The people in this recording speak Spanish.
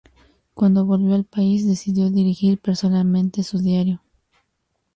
Cuando volvió al país decidió dirigir personalmente su diario.